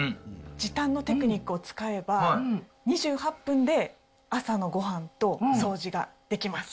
時短のテクニックを使えば、２８分で朝のごはんと掃除ができます。